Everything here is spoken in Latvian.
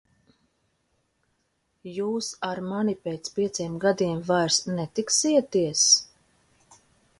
Jūs ar mani pēc pieciem gadiem vairs netiksieties?